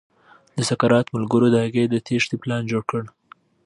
د سقراط ملګرو د هغه د تېښې پلان جوړ کړ.